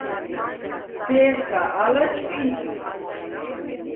დე̄სა, ალა ჭყინტ ლი.